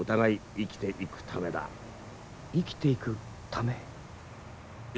生きていくため。